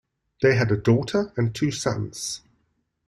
They had a daughter and two sons.